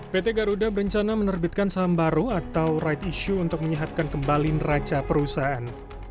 pt garuda berencana menerbitkan saham baru atau right issue untuk menyehatkan kembali neraca perusahaan